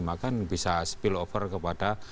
makan bisa spill over kepada